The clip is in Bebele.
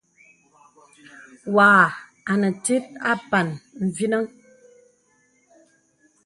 Wàghà anə tìt àpàn mvinəŋ.